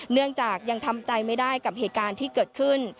เนื่องจากยังทำใจไม่ได้กับเหตุการณ์ที่เกิดขึ้น